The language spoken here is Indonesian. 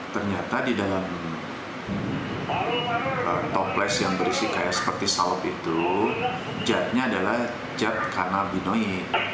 ternyata di dalam toples yang berisi kayak seperti salep itu zatnya adalah zat kanabinoid